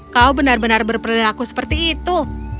kau benar benar berperilaku seperti itu